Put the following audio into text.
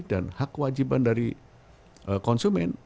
dan hak kewajiban dari konsumen